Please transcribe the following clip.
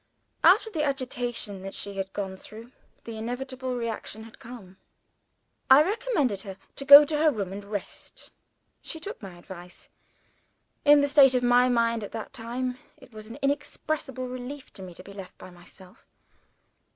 After the agitation that she had gone through, the inevitable reaction had come. I recommended her to go to her room and rest. She took my advice. In the state of my mind at that time, it was an inexpressible relief to me to be left by myself.